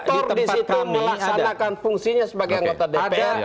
aktor di situ melaksanakan fungsinya sebagai anggota dpr